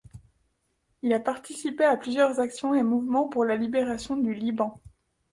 Il a participé à plusieurs actions et mouvements pour la libération du Liban.